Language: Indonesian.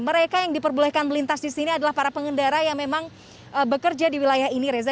mereka yang diperbolehkan melintas di sini adalah para pengendara yang memang bekerja di wilayah ini reza